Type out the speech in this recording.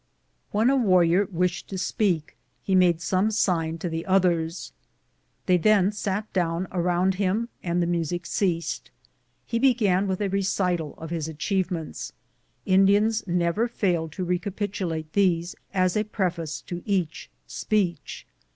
When a warrior wished to speak, he made some sign to the others. They then sat down around him, and the music ceased. He began with a recital of his achievements — Indians never fail to recapitulate these as a preface to each speech.